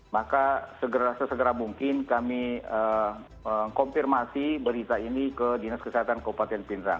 maka segera segera mungkin kami konfirmasi berita ini ke dinas kesehatan kepala bidang